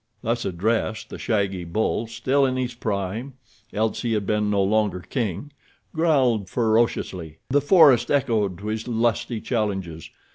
Thus addressed, the shaggy bull, still in his prime—else he had been no longer king—growled ferociously. The forest echoed to his lusty challenges.